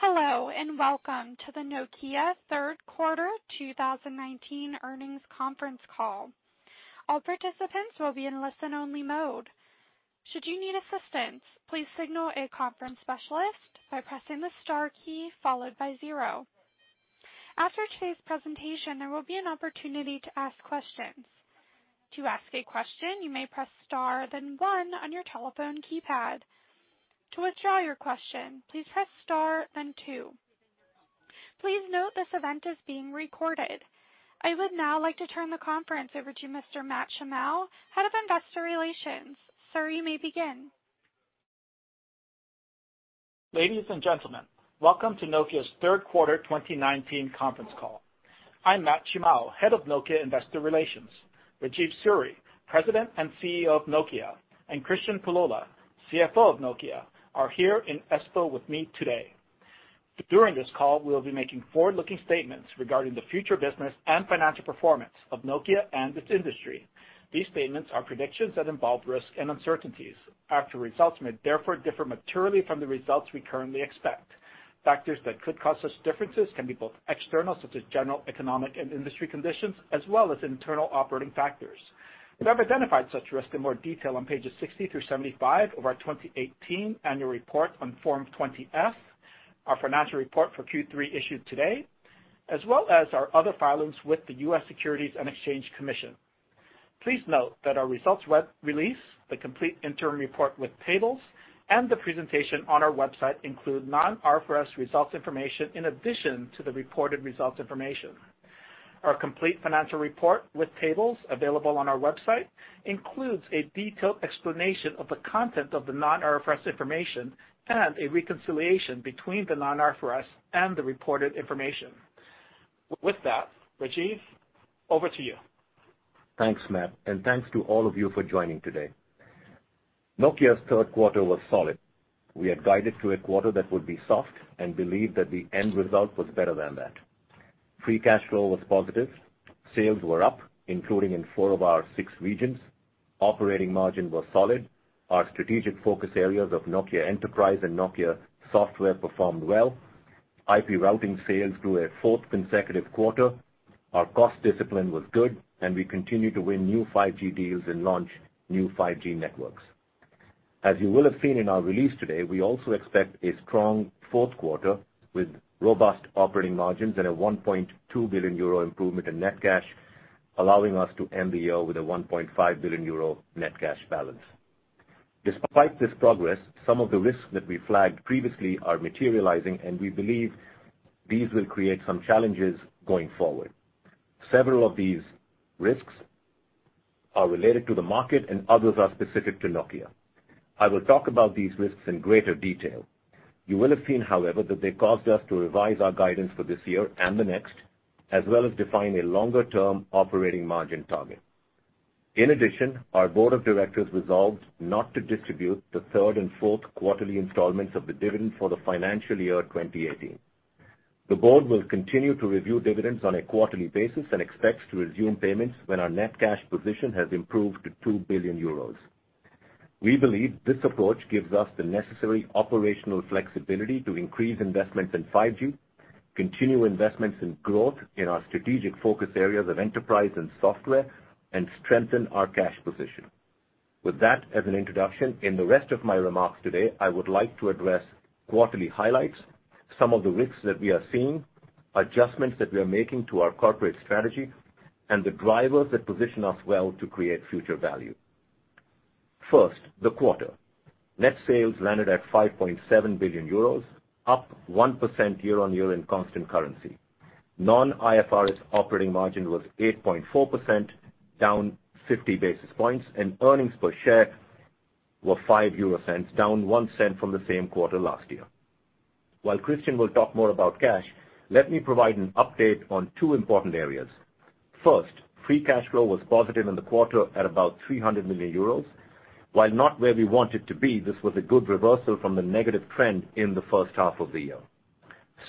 Hello, welcome to the Nokia third quarter 2019 earnings conference call. All participants will be in listen-only mode. Should you need assistance, please signal a conference specialist by pressing the star key followed by zero. After today's presentation, there will be an opportunity to ask questions. To ask a question, you may press star then one on your telephone keypad. To withdraw your question, please press star then two. Please note this event is being recorded. I would now like to turn the conference over to Mr. Matt Shimao, Head of Investor Relations. Sir, you may begin. Ladies and gentlemen, welcome to Nokia's third quarter 2019 conference call. I'm Matt Shimao, Head of Nokia Investor Relations. Rajeev Suri, President and CEO of Nokia, and Kristian Pullola, CFO of Nokia, are here in Espoo with me today. During this call, we'll be making forward-looking statements regarding the future business and financial performance of Nokia and its industry. These statements are predictions that involve risk and uncertainties. Actual results may therefore differ materially from the results we currently expect. Factors that could cause such differences can be both external, such as general economic and industry conditions, as well as internal operating factors. We have identified such risk in more detail on pages 60 through 75 of our 2018 annual report on Form 20-F, our financial report for Q3 issued today, as well as our other filings with the U.S. Securities and Exchange Commission. Please note that our results release, the complete interim report with tables, and the presentation on our website include non-IFRS results information in addition to the reported results information. Our complete financial report with tables available on our website includes a detailed explanation of the content of the non-IFRS information and a reconciliation between the non-IFRS and the reported information. With that, Rajeev, over to you. Thanks, Matt, and thanks to all of you for joining today. Nokia's third quarter was solid. We had guided to a quarter that would be soft and believe that the end result was better than that. Free cash flow was positive. Sales were up, including in four of our six regions. Operating margin was solid. Our strategic focus areas of Nokia Enterprise and Nokia Software performed well. IP Routing sales grew a fourth consecutive quarter. Our cost discipline was good. We continued to win new 5G deals and launch new 5G networks. As you will have seen in our release today, we also expect a strong fourth quarter with robust operating margins and a 1.2 billion euro improvement in net cash, allowing us to end the year with a 1.5 billion euro net cash balance. Despite this progress, some of the risks that we flagged previously are materializing, and we believe these will create some challenges going forward. Several of these risks are related to the market, and others are specific to Nokia. I will talk about these risks in greater detail. You will have seen, however, that they caused us to revise our guidance for this year and the next, as well as define a longer-term operating margin target. In addition, our board of directors resolved not to distribute the third and fourth quarterly installments of the dividend for the financial year 2018. The board will continue to review dividends on a quarterly basis and expects to resume payments when our net cash position has improved to €2 billion. We believe this approach gives us the necessary operational flexibility to increase investments in 5G, continue investments in growth in our strategic focus areas of Enterprise and Software, and strengthen our cash position. With that as an introduction, in the rest of my remarks today, I would like to address quarterly highlights, some of the risks that we are seeing, adjustments that we are making to our corporate strategy, and the drivers that position us well to create future value. First, the quarter. Net sales landed at 5.7 billion euros, up 1% year-on-year in constant currency. Non-IFRS operating margin was 8.4%, down 50 basis points. Earnings per share were 0.05, down 0.01 from the same quarter last year. While Kristian will talk more about cash, let me provide an update on two important areas. First, free cash flow was positive in the quarter at about 300 million euros. While not where we want it to be, this was a good reversal from the negative trend in the first half of the year.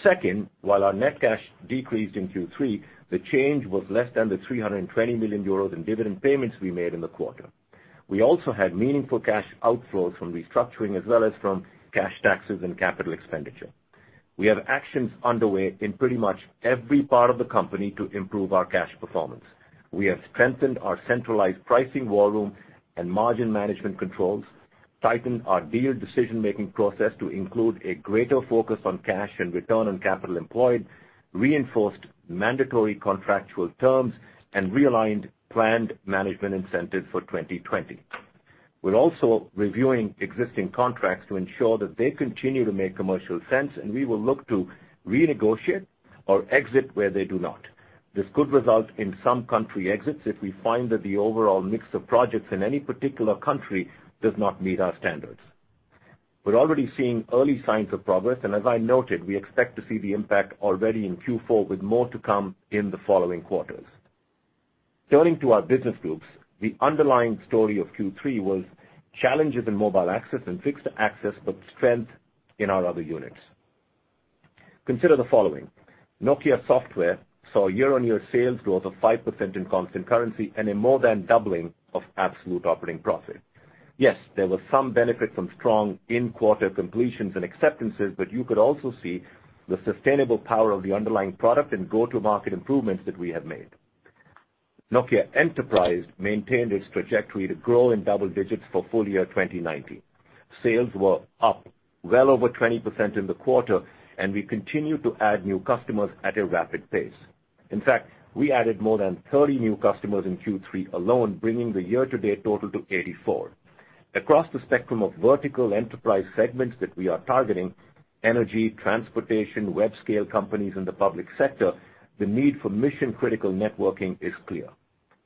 Second, while our net cash decreased in Q3, the change was less than the €320 million in dividend payments we made in the quarter. We also had meaningful cash outflows from restructuring as well as from cash taxes and CapEx. We have actions underway in pretty much every part of the company to improve our cash performance. We have strengthened our centralized pricing war room and margin management controls, tightened our deal decision-making process to include a greater focus on cash and return on capital employed, reinforced mandatory contractual terms, and realigned planned management incentives for 2020. We're also reviewing existing contracts to ensure that they continue to make commercial sense, and we will look to renegotiate or exit where they do not. This could result in some country exits if we find that the overall mix of projects in any particular country does not meet our standards. We're already seeing early signs of progress. As I noted, we expect to see the impact already in Q4, with more to come in the following quarters. Turning to our business groups, the underlying story of Q3 was challenges in Mobile Access and Fixed Access, strength in our other units. Consider the following. Nokia Software saw year-on-year sales growth of 5% in constant currency and a more than doubling of absolute operating profit. Yes, there was some benefit from strong in-quarter completions and acceptances. You could also see the sustainable power of the underlying product and go-to-market improvements that we have made. Nokia Enterprise maintained its trajectory to grow in double digits for full year 2019. Sales were up well over 20% in the quarter, and we continue to add new customers at a rapid pace. In fact, we added more than 30 new customers in Q3 alone, bringing the year-to-date total to 84. Across the spectrum of vertical Enterprise segments that we are targeting, energy, transportation, web-scale companies in the public sector, the need for mission-critical networking is clear.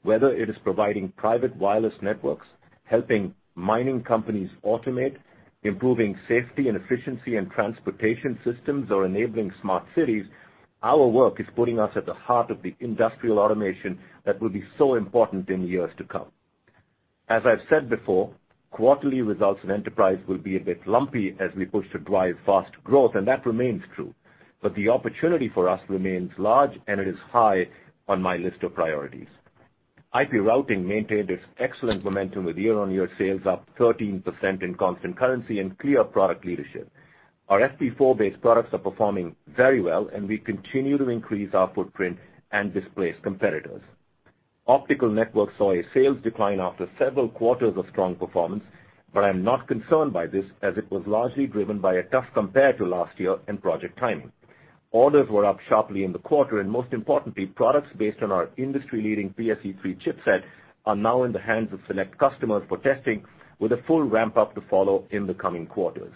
Whether it is providing private wireless networks, helping mining companies automate, improving safety and efficiency in transportation systems, or enabling smart cities, our work is putting us at the heart of the industrial automation that will be so important in years to come. As I've said before, quarterly results in Enterprise will be a bit lumpy as we push to drive fast growth, and that remains true. The opportunity for us remains large, and it is high on my list of priorities. IP Routing maintained its excellent momentum with year-on-year sales up 13% in constant currency and clear product leadership. Our FP4-based products are performing very well, and we continue to increase our footprint and displace competitors. Optical Networks saw a sales decline after several quarters of strong performance. I'm not concerned by this as it was largely driven by a tough compare to last year and project timing. Orders were up sharply in the quarter. Most importantly, products based on our industry-leading PSE-3 chipset are now in the hands of select customers for testing, with a full ramp-up to follow in the coming quarters.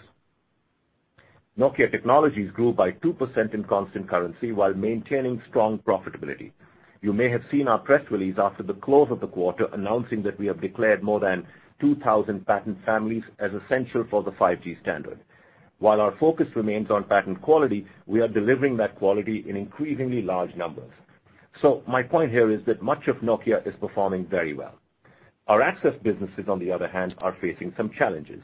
Nokia Technologies grew by 2% in constant currency while maintaining strong profitability. You may have seen our press release after the close of the quarter announcing that we have declared more than 2,000 patent families as essential for the 5G standard. While our focus remains on patent quality, we are delivering that quality in increasingly large numbers. My point here is that much of Nokia is performing very well. Our Access businesses, on the other hand, are facing some challenges.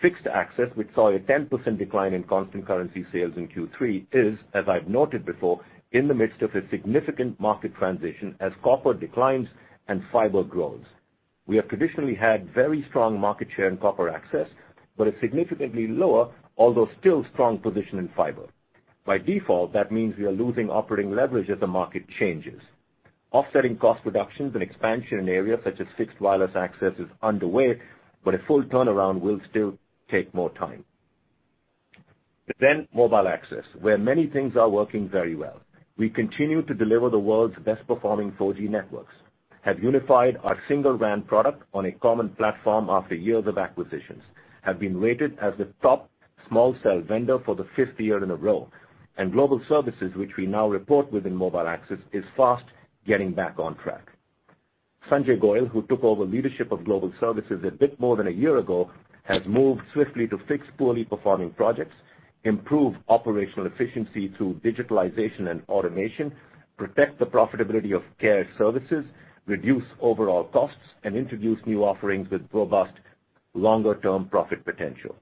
Fixed Access, which saw a 10% decline in constant currency sales in Q3, is, as I've noted before, in the midst of a significant market transition as copper declines and fiber grows. We have traditionally had very strong market share in copper access, but a significantly lower, although still strong position in fiber. By default, that means we are losing operating leverage as the market changes. Offsetting cost reductions and expansion in areas such as fixed wireless access is underway, but a full turnaround will still take more time. Mobile Access, where many things are working very well. We continue to deliver the world's best performing 4G networks, have unified our SingleRAN product on a common platform after years of acquisitions, have been rated as the top small cell vendor for the fifth year in a row, and Global Services, which we now report within Mobile Access, is fast getting back on track. Sanjay Goel, who took over leadership of Global Services a bit more than one year ago, has moved swiftly to fix poorly performing projects, improve operational efficiency through digitalization and automation, protect the profitability of care services, reduce overall costs, and introduce new offerings with robust, longer-term profit potential.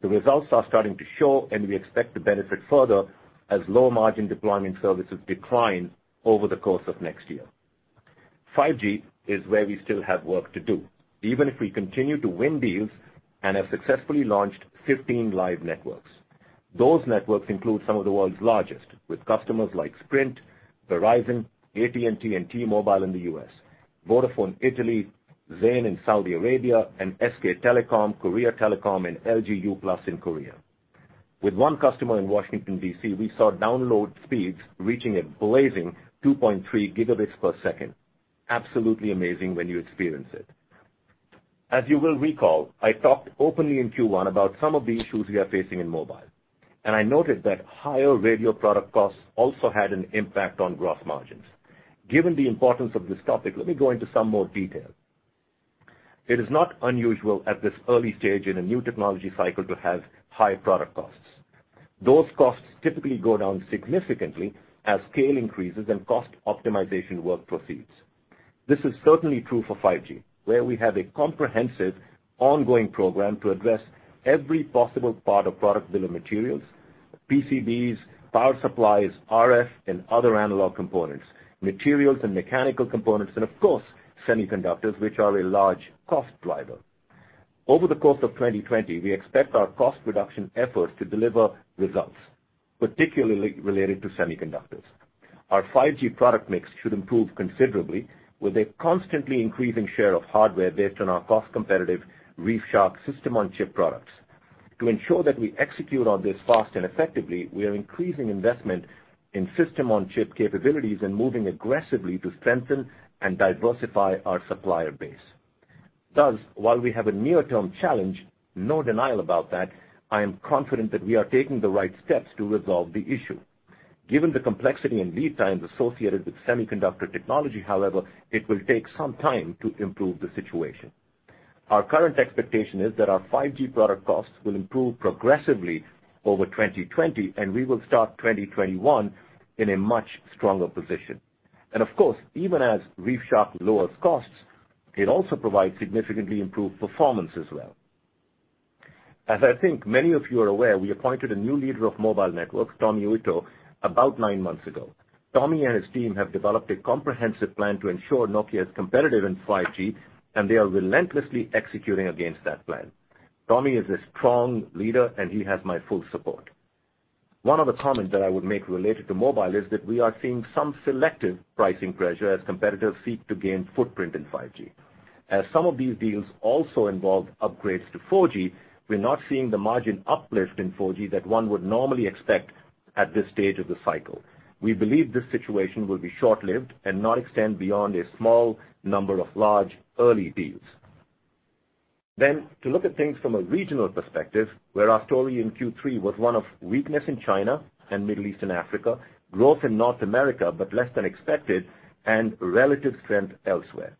The results are starting to show, and we expect to benefit further as low-margin deployment services decline over the course of next year. 5G is where we still have work to do, even if we continue to win deals and have successfully launched 15 live networks. Those networks include some of the world's largest, with customers like Sprint, Verizon, AT&T, and T-Mobile in the U.S., Vodafone Italy, Zain in Saudi Arabia, and SK Telecom, Korea Telecom, and LG Uplus in Korea. With one customer in Washington, D.C., we saw download speeds reaching a blazing 2.3 gigabits per second. Absolutely amazing when you experience it. As you will recall, I talked openly in Q1 about some of the issues we are facing in Mobile, and I noted that higher radio product costs also had an impact on gross margins. Given the importance of this topic, let me go into some more detail. It is not unusual at this early stage in a new technology cycle to have high product costs. Those costs typically go down significantly as scale increases and cost optimization work proceeds. This is certainly true for 5G, where we have a comprehensive ongoing program to address every possible part of product bill of materials, PCBs, power supplies, RF and other analog components, materials and mechanical components, and of course, semiconductors, which are a large cost driver. Over the course of 2020, we expect our cost reduction efforts to deliver results, particularly related to semiconductors. Our 5G product mix should improve considerably with a constantly increasing share of hardware based on our cost-competitive ReefShark system-on-chip products. To ensure that we execute on this fast and effectively, we are increasing investment in system-on-chip capabilities and moving aggressively to strengthen and diversify our supplier base. While we have a near-term challenge, no denial about that, I am confident that we are taking the right steps to resolve the issue. Given the complexity and lead times associated with semiconductor technology, however, it will take some time to improve the situation. Our current expectation is that our 5G product costs will improve progressively over 2020. We will start 2021 in a much stronger position. Of course, even as ReefShark lowers costs, it also provides significantly improved performance as well. As I think many of you are aware, we appointed a new leader of Mobile Networks, Tommi Uitto, about nine months ago. Tommi and his team have developed a comprehensive plan to ensure Nokia is competitive in 5G. They are relentlessly executing against that plan. Tommi is a strong leader. He has my full support. One other comment that I would make related to mobile is that we are seeing some selective pricing pressure as competitors seek to gain footprint in 5G. As some of these deals also involve upgrades to 4G, we're not seeing the margin uplift in 4G that one would normally expect at this stage of the cycle. We believe this situation will be short-lived and not extend beyond a small number of large early deals. To look at things from a regional perspective, where our story in Q3 was one of weakness in China and Middle East and Africa, growth in North America, but less than expected, and relative strength elsewhere.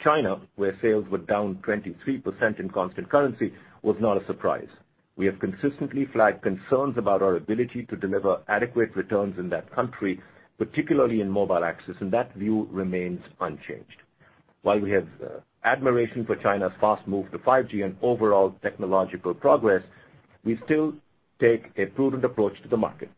China, where sales were down 23% in constant currency, was not a surprise. We have consistently flagged concerns about our ability to deliver adequate returns in that country, particularly in Mobile Access, and that view remains unchanged. While we have admiration for China's fast move to 5G and overall technological progress, we still take a prudent approach to the market.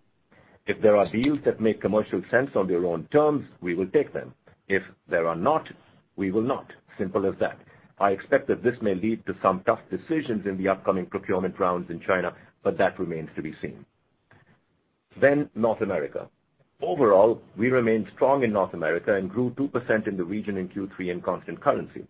If there are deals that make commercial sense on their own terms, we will take them. If there are not, we will not. Simple as that. I expect that this may lead to some tough decisions in the upcoming procurement rounds in China, but that remains to be seen. North America. Overall, we remain strong in North America and grew 2% in the region in Q3 in constant currency.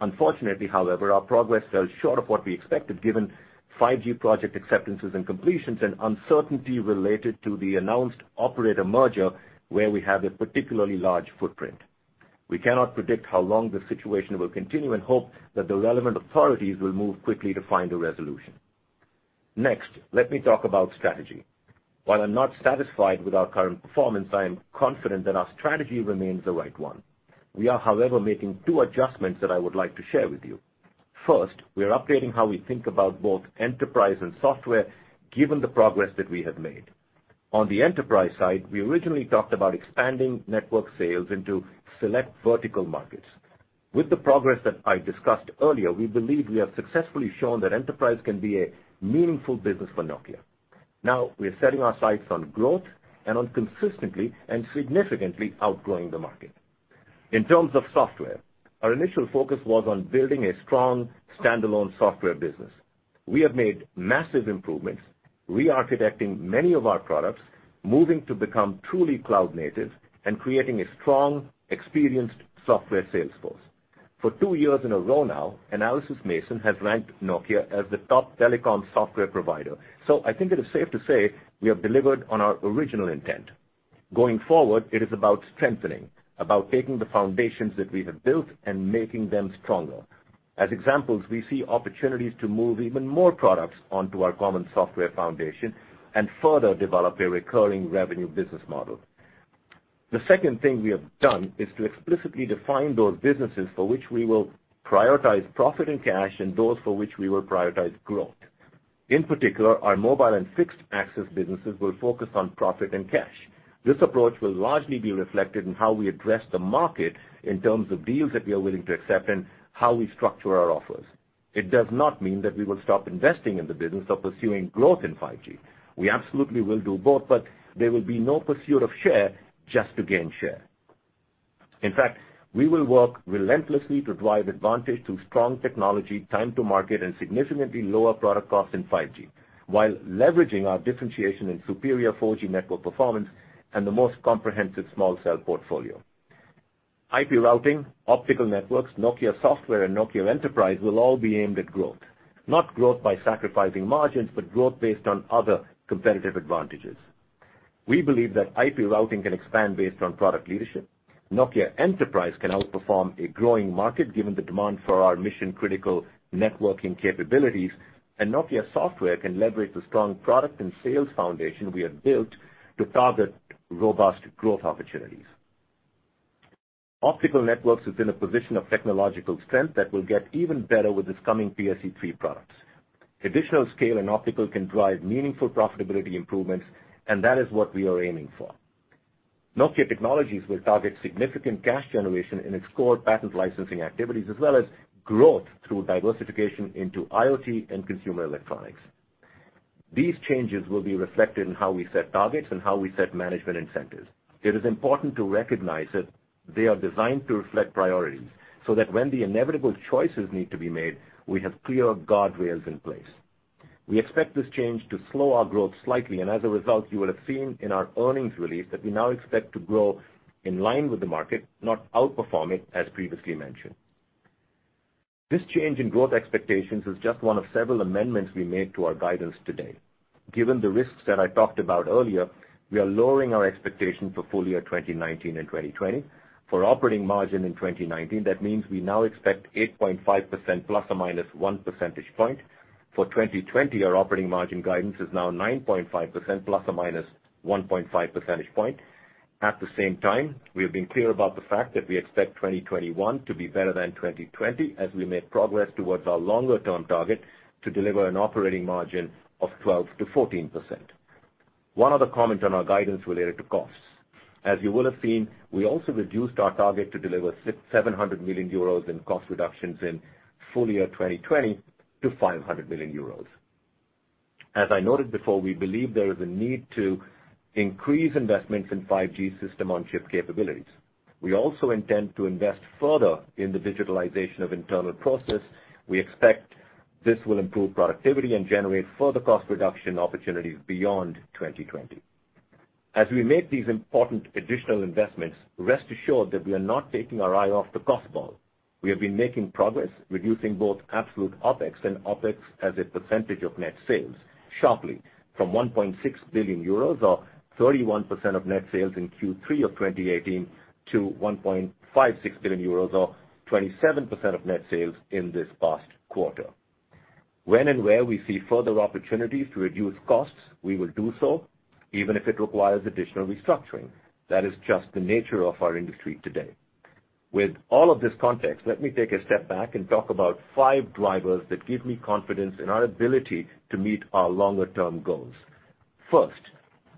Unfortunately, however, our progress fell short of what we expected, given 5G project acceptances and completions and uncertainty related to the announced operator merger where we have a particularly large footprint. We cannot predict how long this situation will continue and hope that the relevant authorities will move quickly to find a resolution. Next, let me talk about strategy. While I'm not satisfied with our current performance, I am confident that our strategy remains the right one. We are, however, making two adjustments that I would like to share with you. First, we are updating how we think about both enterprise and software given the progress that we have made. On the enterprise side, we originally talked about expanding network sales into select vertical markets. With the progress that I discussed earlier, we believe we have successfully shown that enterprise can be a meaningful business for Nokia. Now, we are setting our sights on growth and on consistently and significantly outgrowing the market. In terms of software, our initial focus was on building a strong standalone software business. We have made massive improvements, re-architecting many of our products, moving to become truly cloud native, and creating a strong, experienced software sales force. For two years in a row now, Analysys Mason has ranked Nokia as the top telecom software provider. I think it is safe to say we have delivered on our original intent. Going forward, it is about strengthening, about taking the foundations that we have built and making them stronger. As examples, we see opportunities to move even more products onto our common software foundation and further develop a recurring revenue business model. The second thing we have done is to explicitly define those businesses for which we will prioritize profit and cash and those for which we will prioritize growth. In particular, our Mobile and Fixed Access businesses will focus on profit and cash. This approach will largely be reflected in how we address the market in terms of deals that we are willing to accept and how we structure our offers. It does not mean that we will stop investing in the business or pursuing growth in 5G. We absolutely will do both, but there will be no pursuit of share just to gain share. In fact, we will work relentlessly to drive advantage through strong technology, time to market, and significantly lower product cost in 5G while leveraging our differentiation in superior 4G network performance and the most comprehensive small cell portfolio. IP Routing, Optical Networks, Nokia Software, and Nokia Enterprise will all be aimed at growth. Not growth by sacrificing margins, but growth based on other competitive advantages. We believe that IP Routing can expand based on product leadership. Nokia Enterprise can outperform a growing market given the demand for our mission-critical networking capabilities, and Nokia Software can leverage the strong product and sales foundation we have built to target robust growth opportunities. Optical Networks is in a position of technological strength that will get even better with its coming PSE-3 products. Additional scale in optical can drive meaningful profitability improvements, and that is what we are aiming for. Nokia Technologies will target significant cash generation in its core patent licensing activities, as well as growth through diversification into IoT and consumer electronics. These changes will be reflected in how we set targets and how we set management incentives. It is important to recognize that they are designed to reflect priorities so that when the inevitable choices need to be made, we have clear guardrails in place. We expect this change to slow our growth slightly, and as a result, you will have seen in our earnings release that we now expect to grow in line with the market, not outperform it as previously mentioned. This change in growth expectations is just one of several amendments we made to our guidance today. Given the risks that I talked about earlier, we are lowering our expectation for full year 2019 and 2020. For operating margin in 2019, that means we now expect 8.5% ± one percentage point. For 2020, our operating margin guidance is now 9.5% ± 1.5 percentage point. At the same time, we have been clear about the fact that we expect 2021 to be better than 2020 as we make progress towards our longer-term target to deliver an operating margin of 12%-14%. One other comment on our guidance related to costs. As you will have seen, we also reduced our target to deliver 700 million euros in cost reductions in full year 2020 to 500 million euros. As I noted before, we believe there is a need to increase investments in 5G System-on-Chip capabilities. We also intend to invest further in the digitalization of internal process. We expect this will improve productivity and generate further cost reduction opportunities beyond 2020. As we make these important additional investments, rest assured that we are not taking our eye off the cost ball. We have been making progress reducing both absolute OpEx and OpEx as a percentage of net sales sharply from €1.6 billion or 31% of net sales in Q3 of 2018 to €1.56 billion or 27% of net sales in this past quarter. When and where we see further opportunities to reduce costs, we will do so, even if it requires additional restructuring. That is just the nature of our industry today. With all of this context, let me take a step back and talk about five drivers that give me confidence in our ability to meet our longer-term goals. First,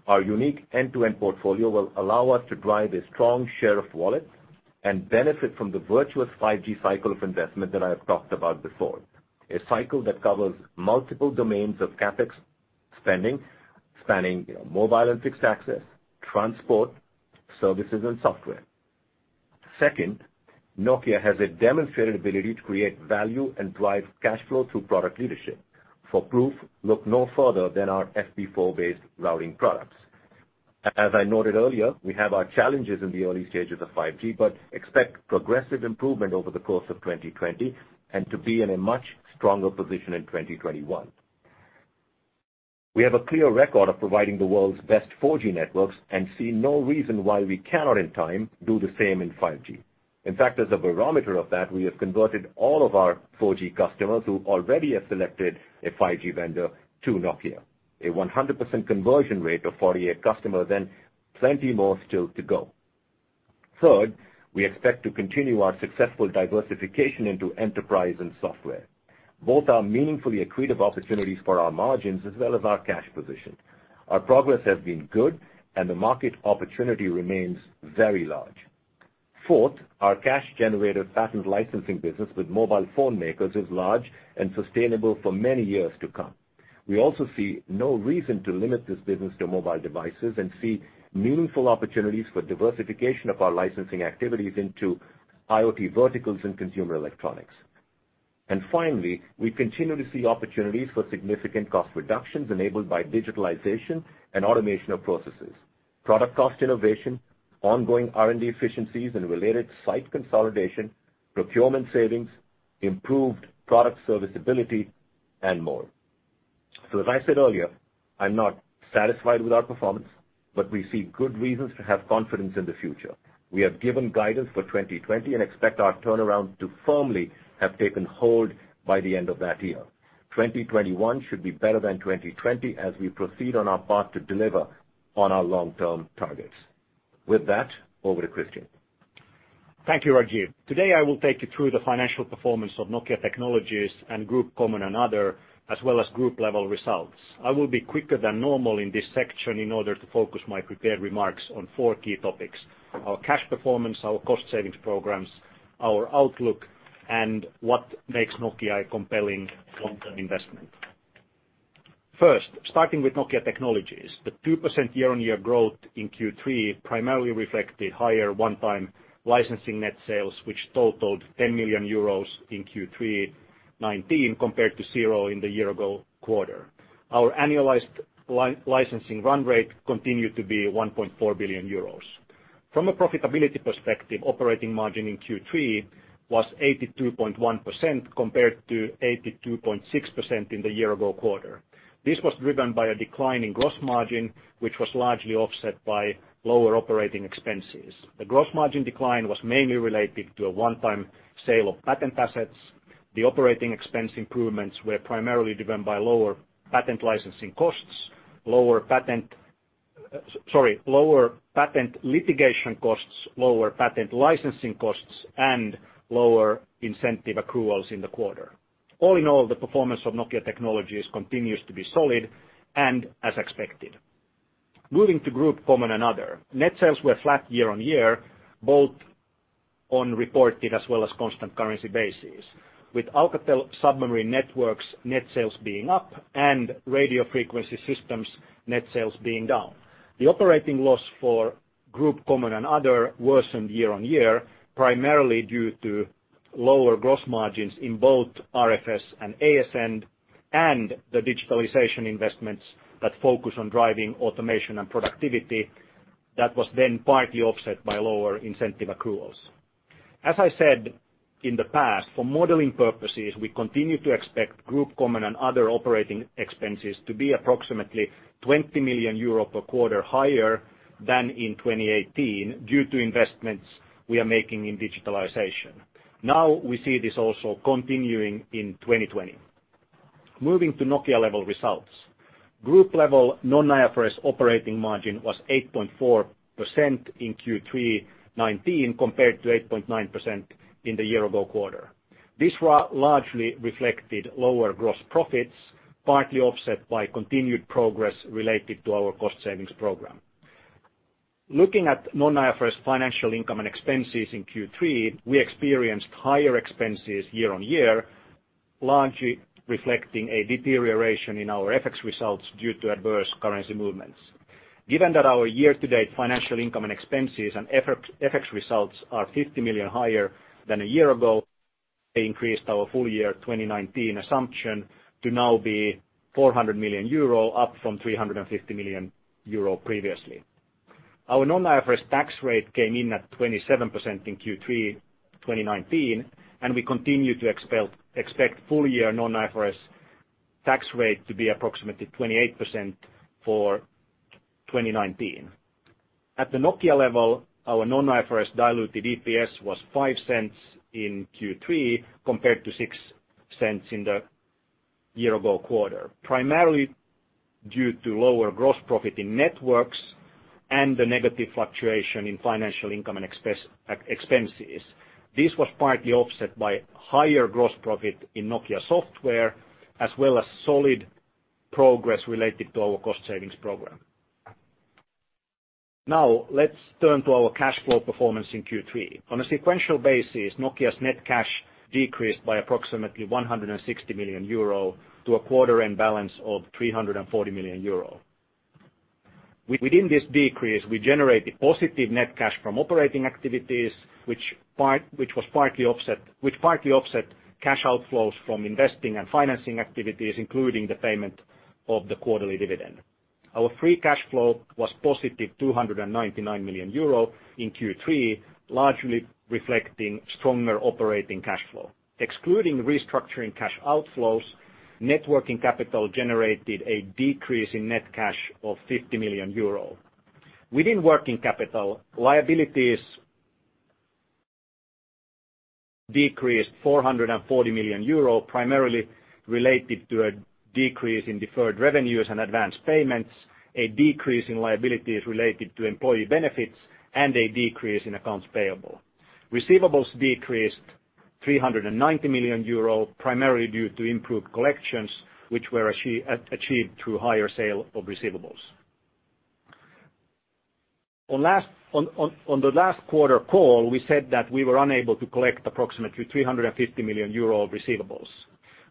our unique end-to-end portfolio will allow us to drive a strong share of wallet and benefit from the virtuous 5G cycle of investment that I have talked about before. A cycle that covers multiple domains of CapEx spending, spanning mobile and fixed access, transport, services, and software. Second, Nokia has a demonstrated ability to create value and drive cash flow through product leadership. For proof, look no further than our FP4-based routing products. As I noted earlier, we have our challenges in the early stages of 5G, but expect progressive improvement over the course of 2020 and to be in a much stronger position in 2021. We have a clear record of providing the world's best 4G networks and see no reason why we cannot in time do the same in 5G. In fact, as a barometer of that, we have converted all of our 4G customers who already have selected a 5G vendor to Nokia. A 100% conversion rate of 4G customers and plenty more still to go. Third, we expect to continue our successful diversification into enterprise and software. Both are meaningfully accretive opportunities for our margins as well as our cash position. Our progress has been good, and the market opportunity remains very large. Fourth, our cash generator patent licensing business with mobile phone makers is large and sustainable for many years to come. We also see no reason to limit this business to mobile devices and see meaningful opportunities for diversification of our licensing activities into IoT verticals and consumer electronics. Finally, we continue to see opportunities for significant cost reductions enabled by digitalization and automation of processes. Product cost innovation, ongoing R&D efficiencies and related site consolidation, procurement savings, improved product serviceability, and more. As I said earlier, I'm not satisfied with our performance, but we see good reasons to have confidence in the future. We have given guidance for 2020 and expect our turnaround to firmly have taken hold by the end of that year. 2021 should be better than 2020 as we proceed on our path to deliver on our long-term targets. With that, over to Kristian. Thank you, Rajeev. Today, I will take you through the financial performance of Nokia Technologies and Group Common and Other, as well as group-level results. I will be quicker than normal in this section in order to focus my prepared remarks on four key topics: our cash performance, our cost savings programs, our outlook, and what makes Nokia a compelling long-term investment. First, starting with Nokia Technologies. The 2% year-on-year growth in Q3 primarily reflected higher one-time licensing net sales, which totaled 10 million euros in Q3 2019 compared to zero in the year-ago quarter. Our annualized licensing run rate continued to be 1.4 billion euros. From a profitability perspective, operating margin in Q3 was 82.1% compared to 82.6% in the year-ago quarter. This was driven by a decline in gross margin, which was largely offset by lower operating expenses. The gross margin decline was mainly related to a one-time sale of patent assets. The operating expense improvements were primarily driven by lower patent litigation costs, lower patent licensing costs, and lower incentive accruals in the quarter. All in all, the performance of Nokia Technologies continues to be solid and as expected. Moving to Group Common and Other. Net sales were flat year-on-year, both on reported as well as constant currency basis, with Alcatel Submarine Networks net sales being up and Radio Frequency Systems net sales being down. The operating loss for Group Common and Other worsened year-on-year, primarily due to lower gross margins in both RFS and ASN and the digitalization investments that focus on driving automation and productivity that was then partly offset by lower incentive accruals. As I said in the past, for modeling purposes, we continue to expect Group Common and Other operating expenses to be approximately €20 million per quarter higher than in 2018 due to investments we are making in digitalization. We see this also continuing in 2020. Moving to Nokia level results. Group level non-IFRS operating margin was 8.4% in Q3 '19 compared to 8.9% in the year-ago quarter. This largely reflected lower gross profits, partly offset by continued progress related to our cost savings program. Looking at non-IFRS financial income and expenses in Q3, we experienced higher expenses year-on-year, largely reflecting a deterioration in our FX results due to adverse currency movements. Given that our year-to-date financial income and expenses and FX results are 50 million higher than a year ago, they increased our full year 2019 assumption to now be 400 million euro, up from 350 million euro previously. Our non-IFRS tax rate came in at 27% in Q3 2019. We continue to expect full year non-IFRS tax rate to be approximately 28% for 2019. At the Nokia level, our non-IFRS diluted EPS was 0.05 in Q3 compared to 0.06 in the year ago quarter, primarily due to lower gross profit in networks and the negative fluctuation in financial income and expenses. This was partly offset by higher gross profit in Nokia Software, as well as solid progress related to our cost savings program. Let's turn to our cash flow performance in Q3. On a sequential basis, Nokia's net cash decreased by approximately 160 million euro to a quarter end balance of 340 million euro. Within this decrease, we generated positive net cash from operating activities, which partly offset cash outflows from investing and financing activities, including the payment of the quarterly dividend. Our free cash flow was positive 299 million euro in Q3, largely reflecting stronger operating cash flow. Excluding restructuring cash outflows, net working capital generated a decrease in net cash of 50 million euros. Within working capital, liabilities decreased 440 million euro, primarily related to a decrease in deferred revenues and advanced payments, a decrease in liabilities related to employee benefits, and a decrease in accounts payable. Receivables decreased 390 million euro, primarily due to improved collections, which were achieved through higher sale of receivables. On the last quarter call, we said that we were unable to collect approximately 350 million euro of receivables,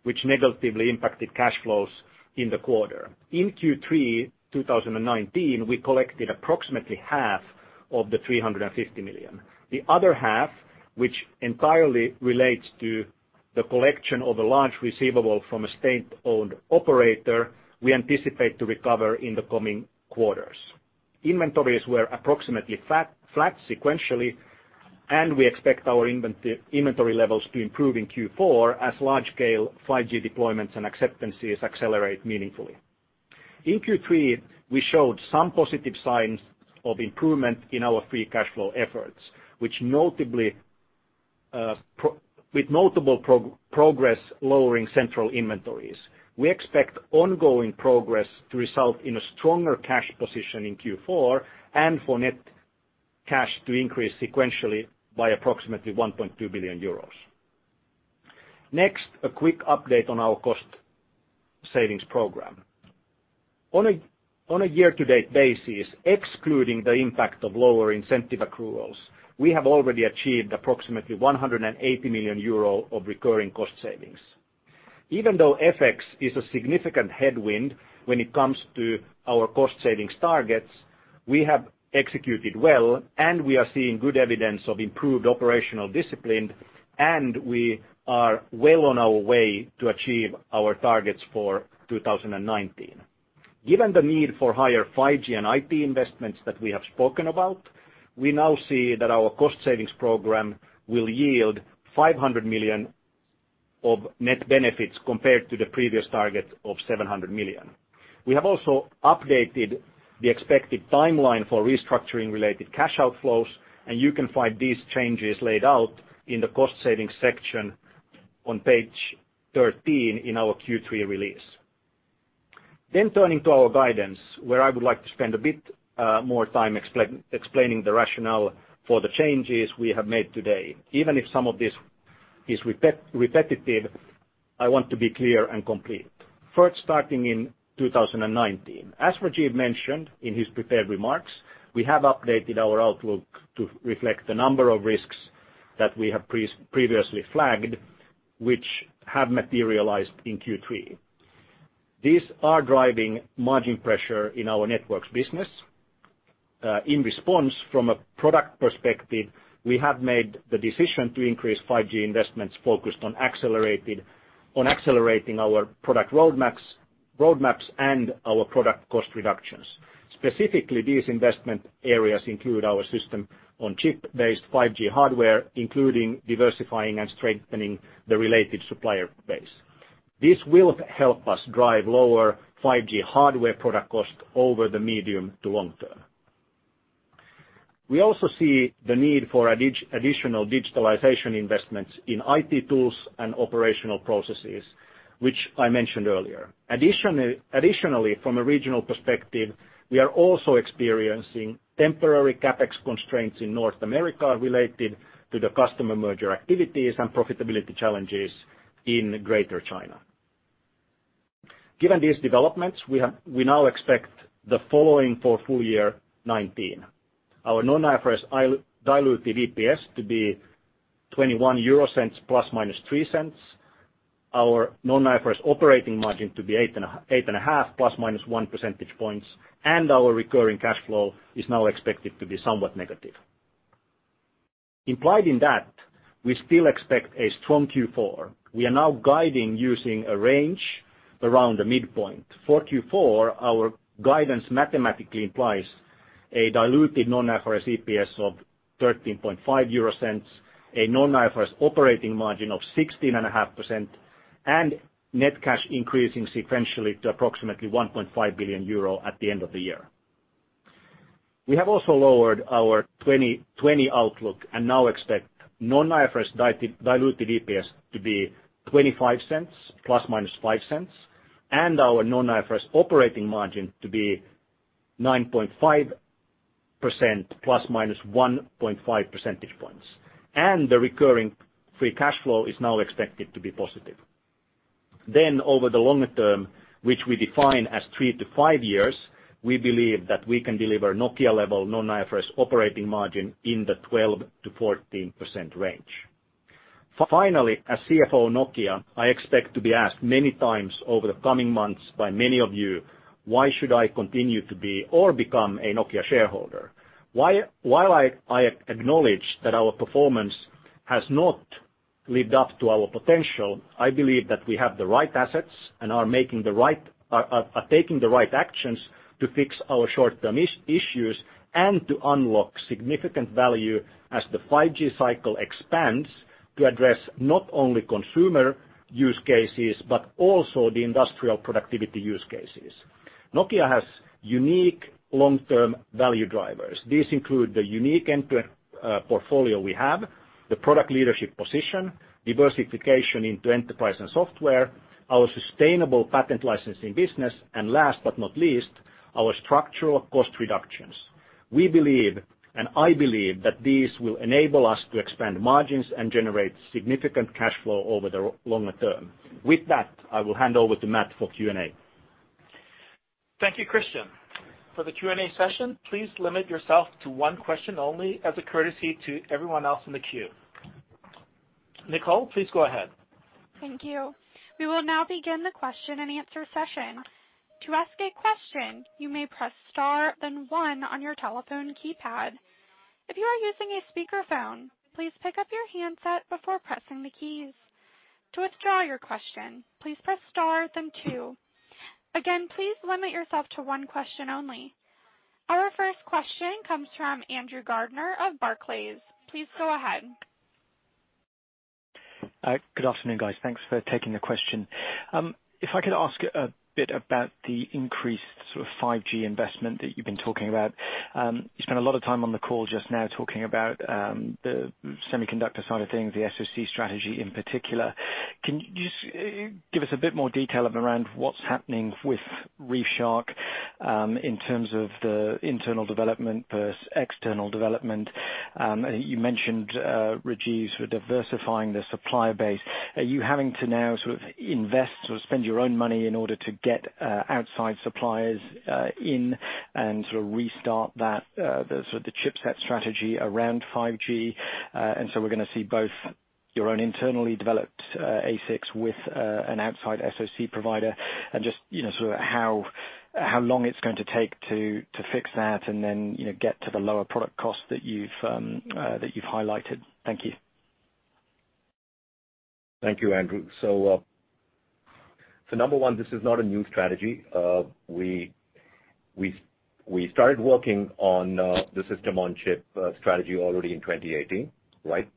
which negatively impacted cash flows in the quarter. In Q3 2019, we collected approximately half of the 350 million EUR. The other half, which entirely relates to the collection of a large receivable from a state-owned operator, we anticipate to recover in the coming quarters. Inventories were approximately flat sequentially. We expect our inventory levels to improve in Q4 as large-scale 5G deployments and acceptances accelerate meaningfully. In Q3, we showed some positive signs of improvement in our free cash flow efforts, with notable progress lowering central inventories. We expect ongoing progress to result in a stronger cash position in Q4 and for net cash to increase sequentially by approximately 1.2 billion euros. Next, a quick update on our cost savings program. On a year-to-date basis, excluding the impact of lower incentive accruals, we have already achieved approximately 180 million euro of recurring cost savings. Even though FX is a significant headwind when it comes to our cost savings targets, we have executed well, and we are seeing good evidence of improved operational discipline, and we are well on our way to achieve our targets for 2019. Given the need for higher 5G and IT investments that we have spoken about, we now see that our cost savings program will yield 500 million of net benefits compared to the previous target of 700 million. We have also updated the expected timeline for restructuring related cash outflows, and you can find these changes laid out in the cost savings section on page 13 in our Q3 release. Turning to our guidance, where I would like to spend a bit more time explaining the rationale for the changes we have made today. Even if some of this is repetitive, I want to be clear and complete. First, starting in 2019. As Rajeev mentioned in his prepared remarks, we have updated our outlook to reflect the number of risks that we have previously flagged, which have materialized in Q3. These are driving margin pressure in our networks business. In response from a product perspective, we have made the decision to increase 5G investments focused on accelerating our product roadmaps and our product cost reductions. Specifically, these investment areas include our System-on-Chip-based 5G hardware, including diversifying and strengthening the related supplier base. This will help us drive lower 5G hardware product cost over the medium to long term. We also see the need for additional digitalization investments in IT tools and operational processes, which I mentioned earlier. Additionally, from a regional perspective, we are also experiencing temporary CapEx constraints in North America related to the customer merger activities and profitability challenges in Greater China. Given these developments, we now expect the following for full year 2019. Our non-IFRS diluted EPS to be 0.21 ± 0.03. Our non-IFRS operating margin to be 8.5% ± 1 percentage points, and our recurring cash flow is now expected to be somewhat negative. Implied in that, we still expect a strong Q4. We are now guiding using a range around the midpoint. For Q4, our guidance mathematically implies a diluted non-IFRS EPS of 0.135, a non-IFRS operating margin of 16.5%, and net cash increasing sequentially to approximately 1.5 billion euro at the end of the year. We have also lowered our 2020 outlook and now expect non-IFRS diluted EPS to be 0.25, plus or minus 0.05, and our non-IFRS operating margin to be 9.5%, plus or minus 1.5 percentage points. The recurring free cash flow is now expected to be positive. Over the longer term, which we define as three to five years, we believe that we can deliver Nokia-level, non-IFRS operating margin in the 12%-14% range. Finally, as CFO of Nokia, I expect to be asked many times over the coming months by many of you, "Why should I continue to be or become a Nokia shareholder?" While I acknowledge that our performance has not lived up to our potential, I believe that we have the right assets and are taking the right actions to fix our short-term issues and to unlock significant value as the 5G cycle expands to address not only consumer use cases, but also the industrial productivity use cases. Nokia has unique long-term value drivers. These include the unique end-to-end portfolio we have, the product leadership position, diversification into enterprise and software, our sustainable patent licensing business, and last but not least, our structural cost reductions. We believe, and I believe, that these will enable us to expand margins and generate significant cash flow over the longer term. With that, I will hand over to Matt for Q&A. Thank you, Kristian. For the Q&A session, please limit yourself to one question only as a courtesy to everyone else in the queue. Nicole, please go ahead. Thank you. We will now begin the question and answer session. To ask a question, you may press star then one on your telephone keypad. If you are using a speakerphone, please pick up your handset before pressing the keys. To withdraw your question, please press star then two. Again, please limit yourself to one question only. Our first question comes from Andrew Gardiner of Barclays. Please go ahead. Good afternoon, guys. Thanks for taking the question. I could ask a bit about the increased 5G investment that you've been talking about. You spent a lot of time on the call just now talking about the semiconductor side of things, the SoC strategy in particular. Can you just give us a bit more detail around what's happening with ReefShark in terms of the internal development versus external development? You mentioned, Rajeev, diversifying the supplier base. Are you having to now invest, spend your own money in order to get outside suppliers in and restart the chipset strategy around 5G, and so we're going to see both your own internally developed ASICs with an outside SoC provider? Just, how long it's going to take to fix that and then get to the lower product cost that you've highlighted? Thank you. Thank you, Andrew. Number one, this is not a new strategy. We started working on the System-on-Chip strategy already in 2018, right?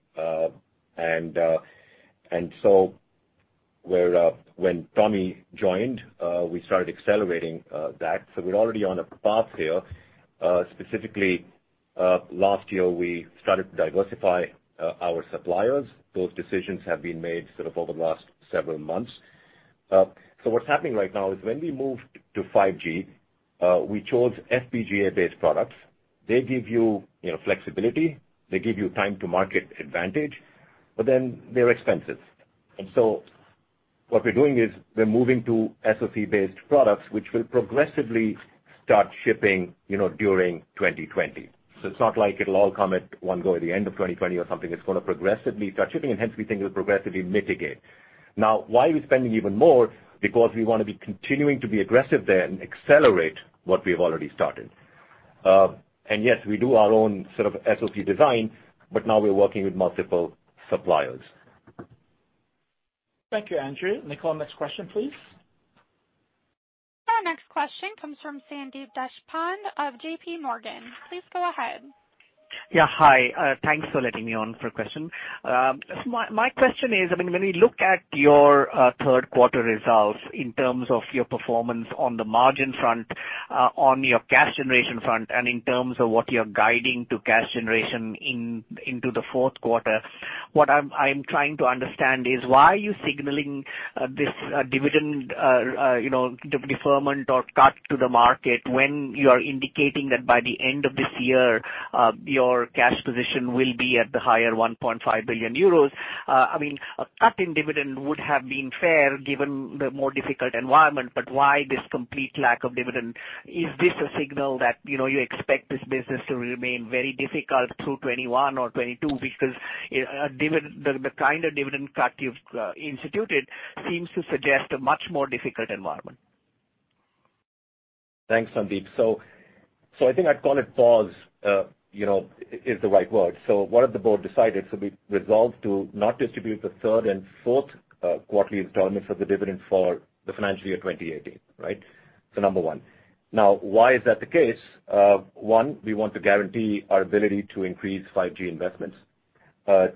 When Tommi joined, we started accelerating that. We're already on a path here. Specifically, last year, we started to diversify our suppliers. Those decisions have been made over the last several months. What's happening right now is when we moved to 5G, we chose FPGA-based products. They give you flexibility. They give you time to market advantage, but then they're expensive. What we're doing is we're moving to SoC-based products, which will progressively start shipping during 2020. It's not like it'll all come at one go at the end of 2020 or something. It's going to progressively start shipping, and hence we think it will progressively mitigate. Why are we spending even more? We want to be continuing to be aggressive there and accelerate what we've already started. Yes, we do our own sort of SoC design, but now we're working with multiple suppliers. Thank you, Andrew. Nicole, next question, please. Our next question comes from Sandeep Deshpande of J.P. Morgan. Please go ahead. Hi. Thanks for letting me on for a question. My question is, when we look at your Q3 results in terms of your performance on the margin front, on your cash generation front, and in terms of what you're guiding to cash generation into the Q4, what I'm trying to understand is why are you signaling this dividend deferment or cut to the market when you are indicating that by the end of this year, your cash position will be at the higher 1.5 billion euros? A cut in dividend would have been fair given the more difficult environment, why this complete lack of dividend? Is this a signal that you expect this business to remain very difficult through 2021 or 2022? The kind of dividend cut you've instituted seems to suggest a much more difficult environment. Thanks, Sandeep. I think I'd call it pause, is the right word. What have the board decided? We resolved to not distribute the third and fourth quarterly installments of the dividend for the financial year 2018, right? Number one. Now, why is that the case? One, we want to guarantee our ability to increase 5G investments.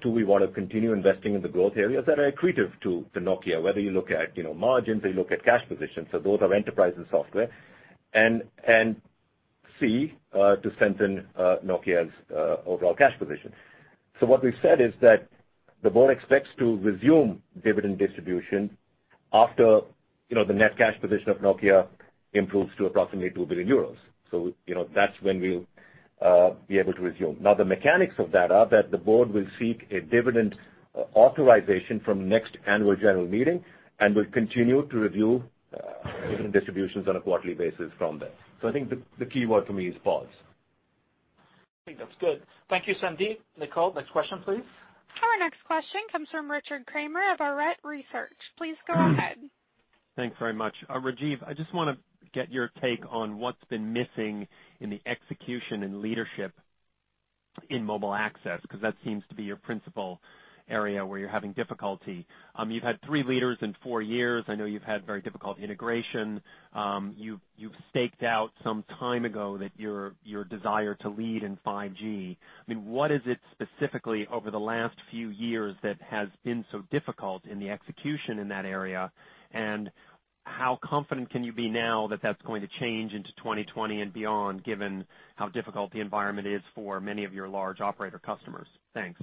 Two, we want to continue investing in the growth areas that are accretive to Nokia, whether you look at margins or you look at cash positions. Those are Enterprise and Software. C, to strengthen Nokia's overall cash position. What we've said is that the board expects to resume dividend distribution after the net cash position of Nokia improves to approximately 2 billion euros. That's when we'll be able to resume. The mechanics of that are that the board will seek a dividend authorization from next annual general meeting and will continue to review dividend distributions on a quarterly basis from there. I think the key word for me is pause. I think that's good. Thank you, Sandeep. Nicole, next question, please. Our next question comes from Richard Kramer of Arete Research. Please go ahead. Thanks very much. Rajeev, I just want to get your take on what's been missing in the execution and leadership in Mobile Access, because that seems to be your principal area where you're having difficulty. You've had three leaders in four years. I know you've had very difficult integration. You've staked out some time ago that your desire to lead in 5G. What is it specifically over the last few years that has been so difficult in the execution in that area? How confident can you be now that that's going to change into 2020 and beyond, given how difficult the environment is for many of your large operator customers? Thanks.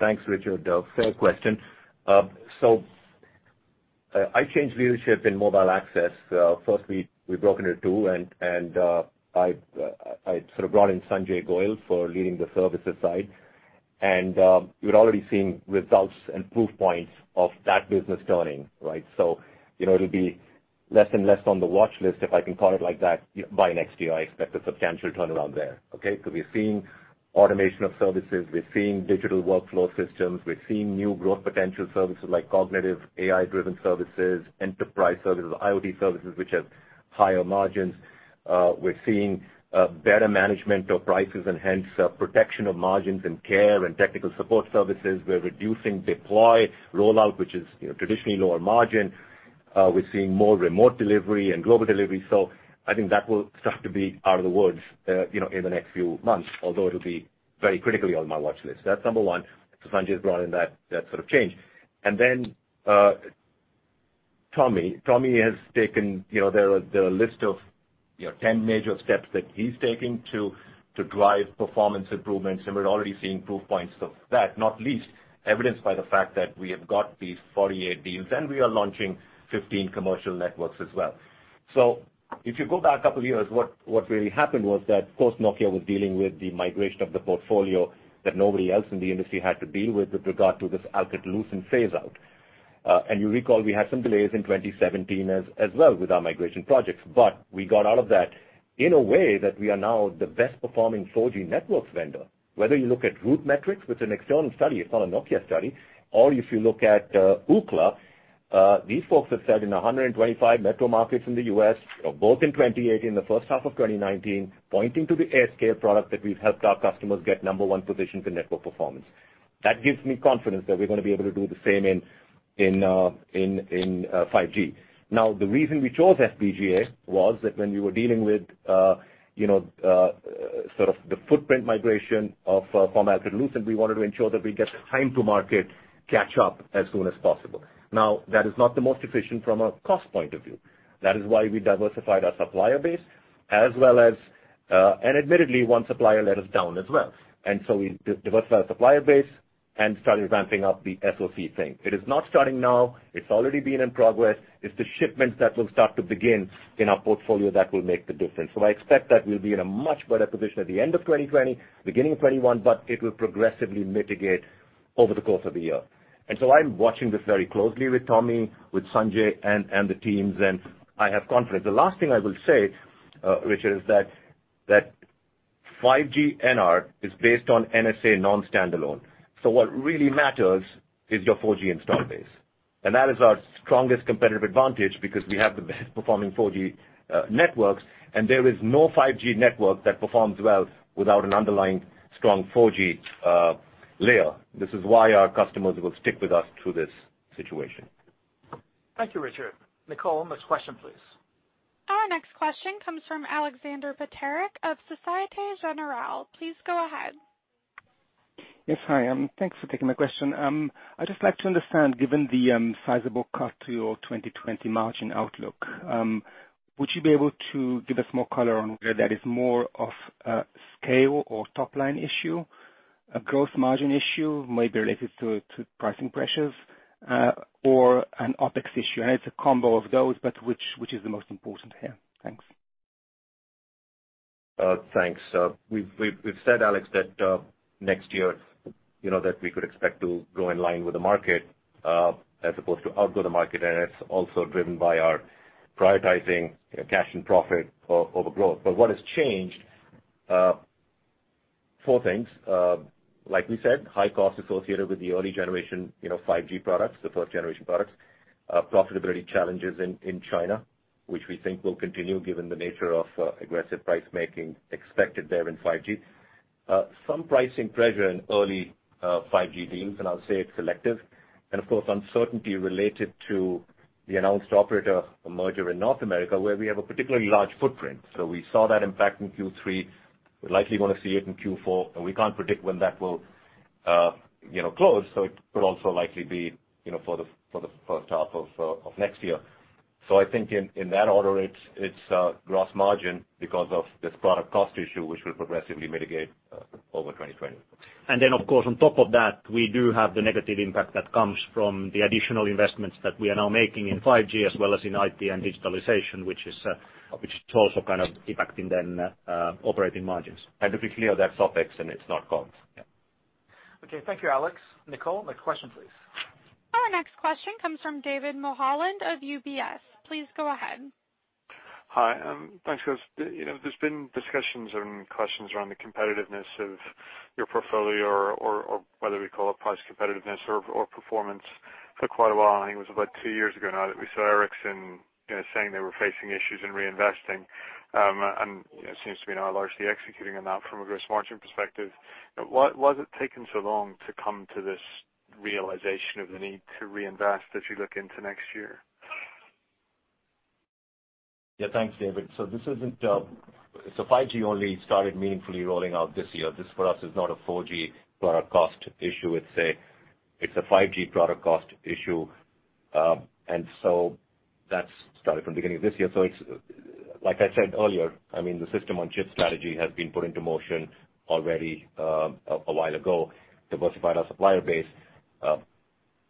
Thanks, Richard. Fair question. I changed leadership in Mobile Access. First, we've broken it 2, and I sort of brought in Sanjay Goel for leading the services side. We're already seeing results and proof points of that business turning, right? It'll be less and less on the watch list, if I can call it like that, by next year. I expect a substantial turnaround there. Okay? We're seeing automation of services. We're seeing digital workflow systems. We're seeing new growth potential services like cognitive AI-driven services, enterprise services, IoT services, which have higher margins. We're seeing better management of prices and hence protection of margins in care and technical support services. We're reducing deploy rollout, which is traditionally lower margin. We're seeing more remote delivery and global delivery. I think that will start to be out of the woods in the next few months, although it'll be very critically on my watch list. That's number 1. Sanjay has brought in that sort of change. Tommi has taken the list of 10 major steps that he's taking to drive performance improvements, and we're already seeing proof points of that, not least evidenced by the fact that we have got these 48 deals, and we are launching 15 commercial networks as well. If you go back a couple of years, what really happened was that, of course, Nokia was dealing with the migration of the portfolio that nobody else in the industry had to deal with regard to this Alcatel-Lucent phase out. You recall, we had some delays in 2017 as well with our migration projects. We got out of that in a way that we are now the best performing 4G networks vendor. Whether you look at RootMetrics, which is an external study, it's not a Nokia study, or if you look at Ookla, these folks have said in 125 metro markets in the U.S., both in 2018, the first half of 2019, pointing to the AirScale product that we've helped our customers get number one position for network performance. That gives me confidence that we're going to be able to do the same in 5G. The reason we chose FPGA was that when we were dealing with sort of the footprint migration of former Alcatel-Lucent, we wanted to ensure that we get time to market catch up as soon as possible. That is not the most efficient from a cost point of view. That is why we diversified our supplier base, and admittedly, one supplier let us down as well. We diversified our supplier base and started ramping up the SoC thing. It is not starting now. It's already been in progress. It's the shipments that will start to begin in our portfolio that will make the difference. I expect that we'll be in a much better position at the end of 2020, beginning of 2021, but it will progressively mitigate over the course of the year. I'm watching this very closely with Tommi, with Sanjay, and the teams, and I have confidence. The last thing I will say, Richard, is that 5G NR is based on NSA non-standalone. What really matters is your 4G install base. That is our strongest competitive advantage because we have the best performing 4G networks, and there is no 5G network that performs well without an underlying strong 4G layer. This is why our customers will stick with us through this situation. Thank you, Richard. Nicole, next question, please. Our next question comes from Aleksander Peterc of Société Générale. Please go ahead. Yes, hi. Thanks for taking my question. I'd just like to understand, given the sizable cut to your 2020 margin outlook, would you be able to give us more color on whether that is more of a scale or top line issue, a growth margin issue maybe related to pricing pressures, or an OpEx issue? I know it's a combo of those, which is the most important here? Thanks. Thanks. We've said, Alex, that next year that we could expect to grow in line with the market as opposed to outgrow the market. It's also driven by our prioritizing cash and profit over growth. What has changed: four things. Like we said, high cost associated with the early generation 5G products, the first-generation products. Profitability challenges in China, which we think will continue given the nature of aggressive price making expected there in 5G. Some pricing pressure in early 5G deals. I'll say it's selective. Of course, uncertainty related to the announced operator merger in North America, where we have a particularly large footprint. We saw that impact in Q3. We're likely going to see it in Q4. We can't predict when that will close. It could also likely be for the first half of next year. I think in that order, it's gross margin because of this product cost issue, which will progressively mitigate over 2020. Of course, on top of that, we do have the negative impact that comes from the additional investments that we are now making in 5G as well as in IT and digitalization, which is also kind of impacting then operating margins. To be clear, that's OpEx and it's not Comp. Yeah. Okay. Thank you, Alex. Nicole, next question please. Our next question comes from David Mulholland of UBS. Please go ahead. Hi. Thanks, guys. There's been discussions and questions around the competitiveness of your portfolio or whether we call it price competitiveness or performance for quite a while, and I think it was about two years ago now that we saw Ericsson saying they were facing issues in reinvesting. It seems to be now largely executing on that from a gross margin perspective. Why has it taken so long to come to this realization of the need to reinvest as you look into next year? Yeah. Thanks, David. 5G only started meaningfully rolling out this year. This, for us, is not a 4G product cost issue, it's a 5G product cost issue. That's started from the beginning of this year. Like I said earlier, the System-on-Chip strategy has been put into motion already a while ago, diversified our supplier base.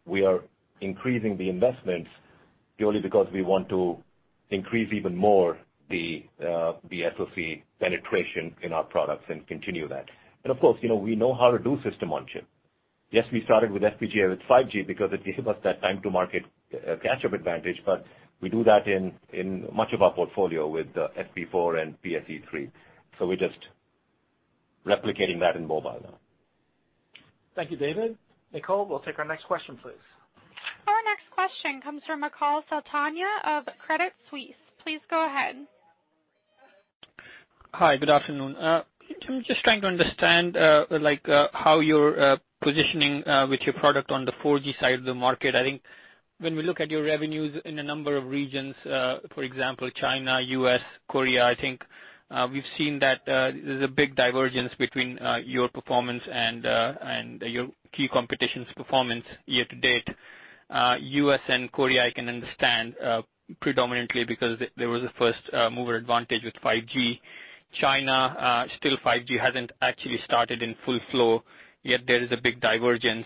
We are increasing the investments purely because we want to increase even more the SoC penetration in our products and continue that. Of course, we know how to do System-on-Chip. Yes, we started with FPGA with 5G because it gave us that time to market catch-up advantage, but we do that in much of our portfolio with FP4 and PSE-3. We're just replicating that in mobile now. Thank you, David. Nicole, we'll take our next question, please. Our next question comes from Achal Sultania of Credit Suisse. Please go ahead. Hi, good afternoon. I'm just trying to understand how you're positioning with your product on the 4G side of the market. I think when we look at your revenues in a number of regions, for example, China, U.S., Korea, I think we've seen that there's a big divergence between your performance and your key competition's performance year to date. U.S. and Korea, I can understand predominantly because there was a first-mover advantage with 5G. China, still 5G hasn't actually started in full flow, yet there is a big divergence,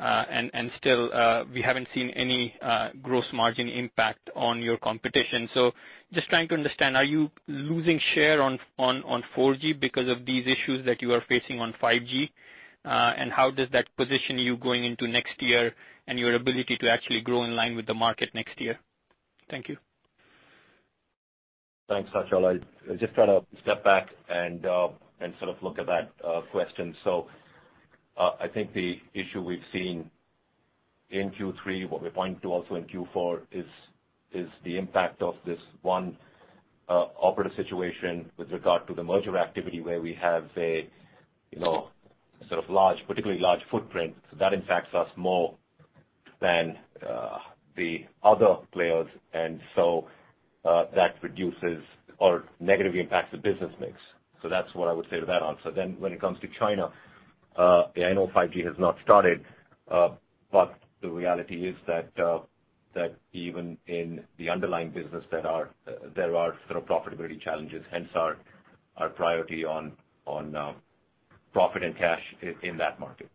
and still, we haven't seen any gross margin impact on your competition. Just trying to understand, are you losing share on 4G because of these issues that you are facing on 5G? How does that position you going into next year and your ability to actually grow in line with the market next year? Thank you. Thanks, Achal. I just try to step back and sort of look at that question. I think the issue we've seen in Q3, what we're pointing to also in Q4 is the impact of this one operative situation with regard to the merger activity where we have a particularly large footprint. That impacts us more than the other players, and so that reduces or negatively impacts the business mix. That's what I would say to that answer. When it comes to China, I know 5G has not started, but the reality is that even in the underlying business, there are sort of profitability challenges, hence our priority on profit and cash in that market.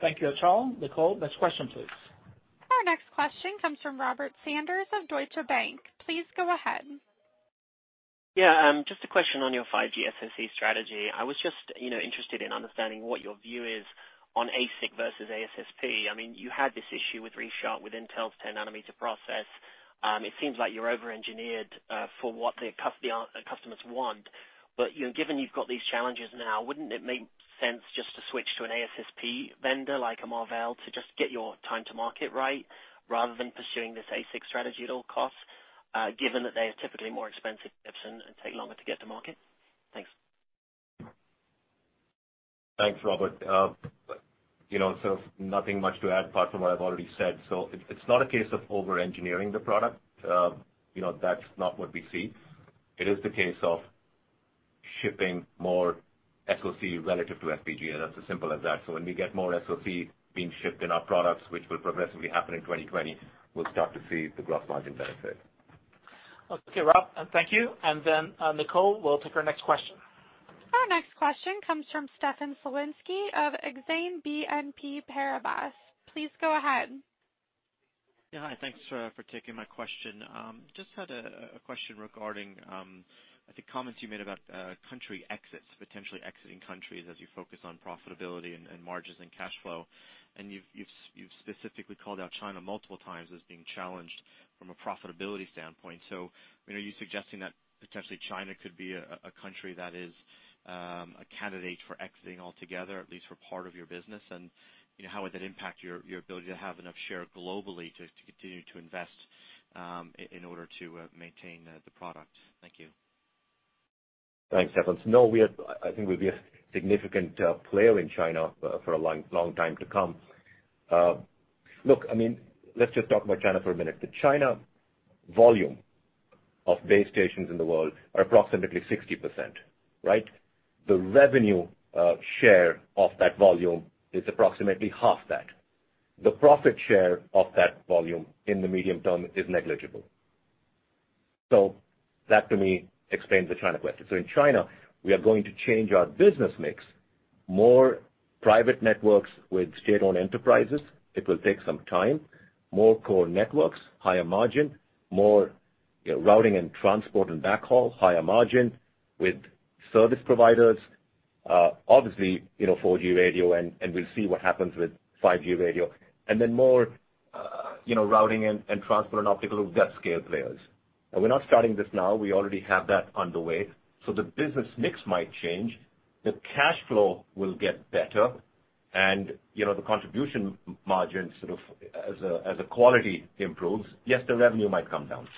Thank you, Achal. Nicole, next question, please. Our next question comes from Robert Sanders of Deutsche Bank. Please go ahead. Yeah. Just a question on your 5G SoC strategy. I was just interested in understanding what your view is on ASIC versus ASSP. You had this issue with ReefShark, with Intel's 10 nanometer process. It seems like you're over-engineered for what the customers want. Given you've got these challenges now, wouldn't it make sense just to switch to an ASSP vendor like a Marvell to just get your time to market right rather than pursuing this ASIC strategy at all costs, given that they are typically more expensive chips and take longer to get to market? Thanks. Thanks, Robert. Nothing much to add apart from what I've already said. It's not a case of over-engineering the product. That's not what we see. It is the case of shipping more SoC relative to FPGA, and that's as simple as that. When we get more SoC being shipped in our products, which will progressively happen in 2020, we'll start to see the gross margin benefit. Okay, Rob, thank you. Nicole, we'll take our next question. Our next question comes from Stefan Slowinski of Exane BNP Paribas. Please go ahead. Yeah, hi. Thanks for taking my question. Just had a question regarding, I think, comments you made about country exits, potentially exiting countries as you focus on profitability and margins and cash flow. You've specifically called out China multiple times as being challenged from a profitability standpoint. Are you suggesting that potentially China could be a country that is a candidate for exiting altogether, at least for part of your business? How would that impact your ability to have enough share globally to continue to invest in order to maintain the product? Thank you. Thanks, Stefan. No, I think we'll be a significant player in China for a long time to come. Look, let's just talk about China for a minute. The China volume of base stations in the world are approximately 60%, right? The revenue share of that volume is approximately half that. The profit share of that volume in the medium term is negligible. That, to me, explains the China question. In China, we are going to change our business mix, more private networks with state-owned enterprises. It will take some time. More core networks, higher margin, more routing and transport and backhaul, higher margin with service providers. Obviously, 4G radio, and we'll see what happens with 5G radio. More routing and transport and optical with web-scale players. Now we're not starting this now. We already have that underway. The business mix might change. The cash flow will get better and the contribution margin, as the quality improves, yes, the revenue might come down.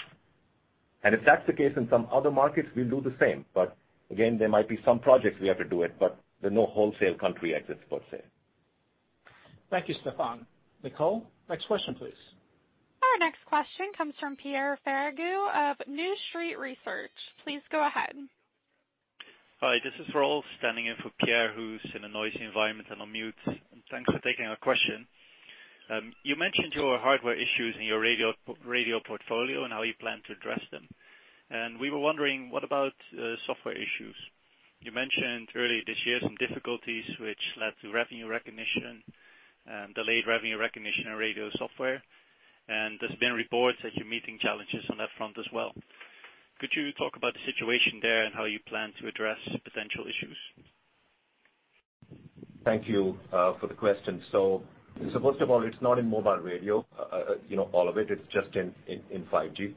If that's the case in some other markets, we'll do the same. Again, there might be some projects we have to do it, but there's no wholesale country exits per se. Thank you, Stefan. Nicole, next question, please. Our next question comes from Pierre Ferragu of New Street Research. Please go ahead. Hi, this is Raoul standing in for Pierre, who's in a noisy environment and on mute. Thanks for taking our question. You mentioned your hardware issues in your radio portfolio and how you plan to address them, and we were wondering what about software issues? You mentioned early this year some difficulties which led to revenue recognition, delayed revenue recognition, and radio software. There's been reports that you're meeting challenges on that front as well. Could you talk about the situation there and how you plan to address potential issues? Thank you for the question. First of all, it's not in mobile radio, all of it. It's just in 5G.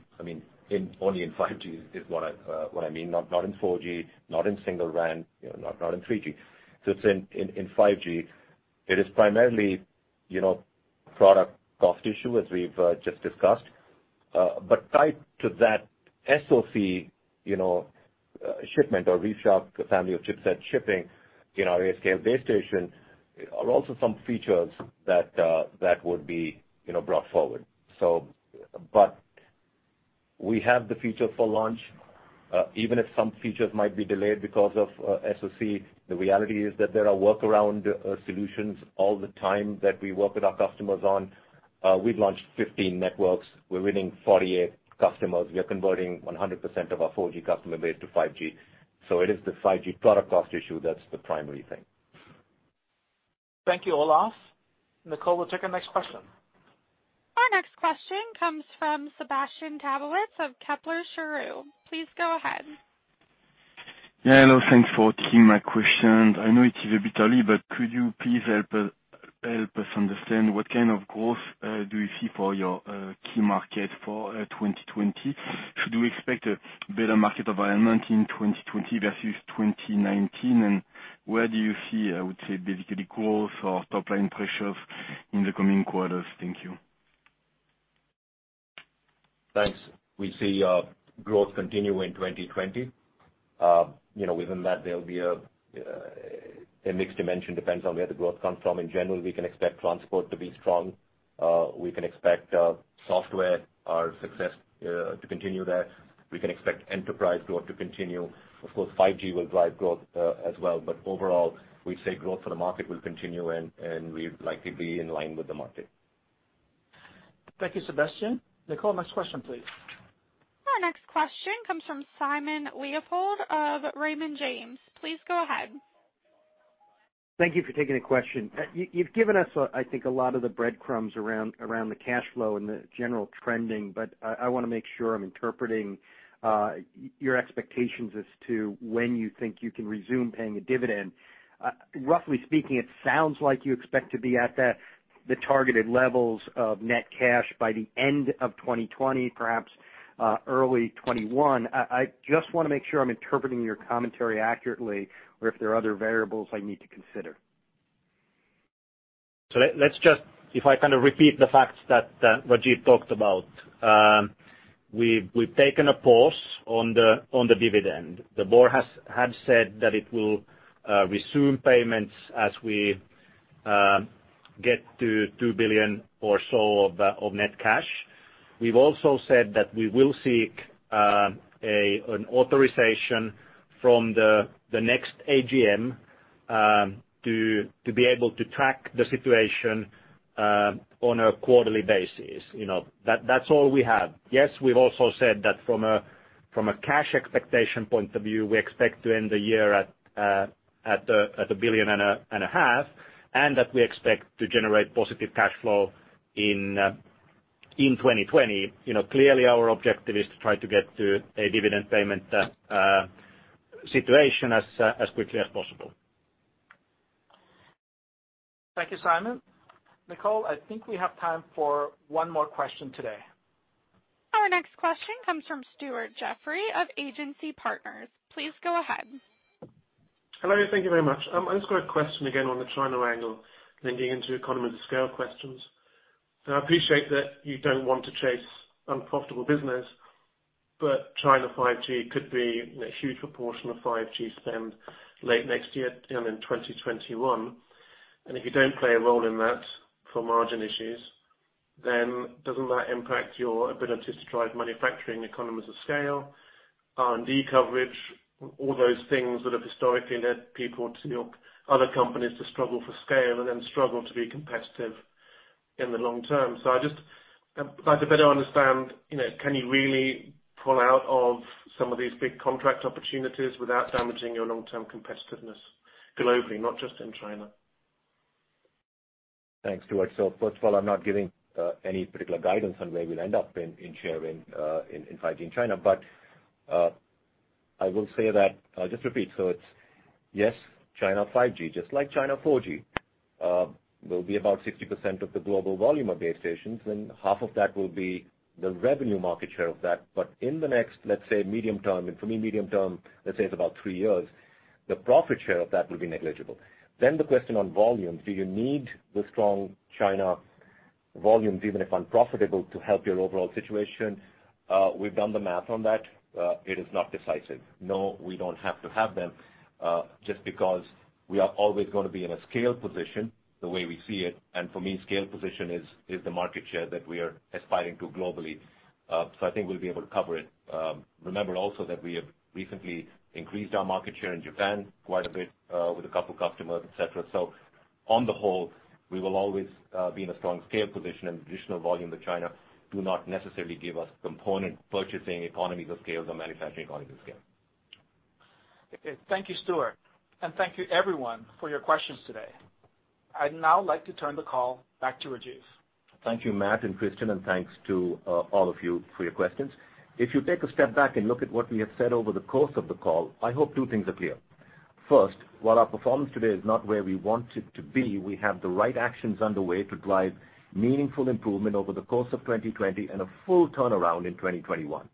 Only in 5G is what I mean, not in 4G, not in SingleRAN, not in 3G. It's in 5G. It is primarily product cost issue as we've just discussed. Tied to that SoC shipment or ReefShark family of chipset shipping in our base station are also some features that would be brought forward. We have the feature for launch. Even if some features might be delayed because of SoC, the reality is that there are workaround solutions all the time that we work with our customers on. We've launched 15 networks. We're winning 48 customers. We are converting 100% of our 4G customer base to 5G. It is the 5G product cost issue that's the primary thing. Thank you, Raoul. Nicole, we'll take our next question. Our next question comes from Sebastien Sztabowicz of Kepler Cheuvreux. Please go ahead. Yeah, hello, thanks for taking my question. I know it is a bit early, but could you please help us understand what kind of growth do you see for your key market for 2020? Should we expect a better market environment in 2020 versus 2019? Where do you see, I would say, basically growth or top-line pressures in the coming quarters? Thank you. Thanks. We see growth continue in 2020. Within that, there'll be a mixed dimension, depends on where the growth comes from. In general, we can expect transport to be strong. We can expect software, our success to continue there. We can expect enterprise growth to continue. Of course, 5G will drive growth as well. Overall, we say growth for the market will continue, and we'd likely be in line with the market. Thank you, Sebastian. Nicole, next question, please. Our next question comes from Simon Leopold of Raymond James. Please go ahead. Thank you for taking the question. You've given us, I think, a lot of the breadcrumbs around the cash flow and the general trending, but I want to make sure I'm interpreting your expectations as to when you think you can resume paying a dividend. Roughly speaking, it sounds like you expect to be at the targeted levels of net cash by the end of 2020, perhaps early 2021. I just want to make sure I'm interpreting your commentary accurately, or if there are other variables I need to consider. Let's just, if I kind of repeat the facts that Rajeev talked about. We've taken a pause on the dividend. The board had said that it will resume payments as we get to 2 billion or so of net cash. We've also said that we will seek an authorization from the next AGM to be able to track the situation on a quarterly basis. That's all we have. Yes, we've also said that from a cash expectation point of view, we expect to end the year at EUR a billion and a half, and that we expect to generate positive cash flow in 2020. Clearly, our objective is to try to get to a dividend payment situation as quickly as possible. Thank you, Simon. Nicole, I think we have time for one more question today. Our next question comes from Stuart Jeffrey of Agency Partners. Please go ahead. Hello. Thank you very much. I've just got a question again on the China angle, linking into economies of scale questions. I appreciate that you don't want to chase unprofitable business, but China 5G could be a huge proportion of 5G spend late next year and in 2021. If you don't play a role in that for margin issues, then doesn't that impact your ability to drive manufacturing economies of scale, R&D coverage, all those things that have historically led other companies to struggle for scale and then struggle to be competitive in the long term? I'd like to better understand, can you really pull out of some of these big contract opportunities without damaging your long-term competitiveness globally, not just in China? Thanks, Stuart. First of all, I'm not giving any particular guidance on where we'll end up in share in 5G in China. I will say that, I'll just repeat, China 5G, just like China 4G, will be about 60% of the global volume of base stations, and half of that will be the revenue market share of that. In the next, let's say medium term, and for me, medium term, let's say it's about three years, the profit share of that will be negligible. The question on volume, do you need the strong China volumes, even if unprofitable, to help your overall situation? We've done the math on that. It is not decisive. No, we don't have to have them, just because we are always going to be in a scale position the way we see it. For me, scale position is the market share that we are aspiring to globally. I think we'll be able to cover it. Remember also that we have recently increased our market share in Japan quite a bit with a couple customers, et cetera. On the whole, we will always be in a strong scale position and additional volume to China do not necessarily give us component purchasing economies of scale or manufacturing economies of scale. Okay. Thank you, Stuart. Thank you everyone for your questions today. I'd now like to turn the call back to Rajeev. Thank you, Matt and Kristian, thanks to all of you for your questions. If you take a step back and look at what we have said over the course of the call, I hope two things are clear. First, while our performance today is not where we want it to be, we have the right actions underway to drive meaningful improvement over the course of 2020 and a full turnaround in 2021.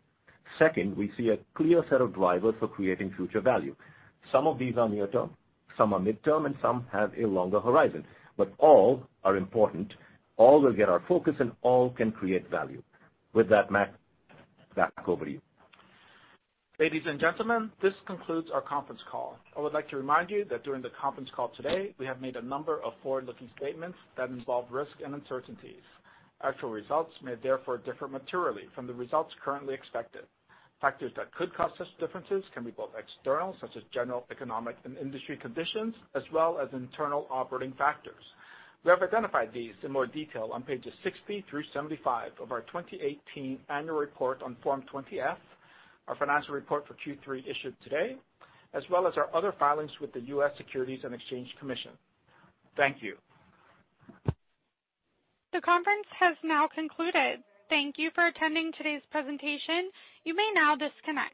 Second, we see a clear set of drivers for creating future value. Some of these are near term, some are midterm, and some have a longer horizon, but all are important, all will get our focus, and all can create value. With that, Matt, back over to you. Ladies and gentlemen, this concludes our conference call. I would like to remind you that during the conference call today, we have made a number of forward-looking statements that involve risk and uncertainties. Actual results may therefore differ materially from the results currently expected. Factors that could cause such differences can be both external, such as general economic and industry conditions, as well as internal operating factors. We have identified these in more detail on pages 60 through 75 of our 2018 annual report on Form 20-F, our financial report for Q3 issued today, as well as our other filings with the U.S. Securities and Exchange Commission. Thank you. The conference has now concluded. Thank you for attending today's presentation. You may now disconnect.